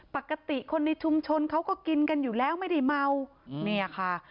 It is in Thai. ปกติคนในชุมชนเขาก็กินกันอยู่แล้วไม่ได้เมาเนี่ยค่ะ